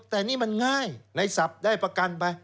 แต่นี่มันง่ายในศัพท์ได้ประกันไป